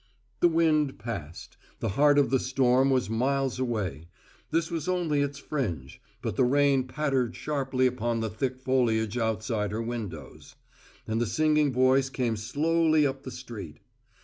The wind passed; the heart of the storm was miles away; this was only its fringe; but the rain pattered sharply upon the thick foliage outside her windows; and the singing voice came slowly up the street.